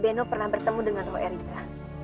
beno pernah bertemu dengan erika